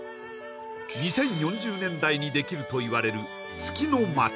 ２０４０年代にできるといわれる月の街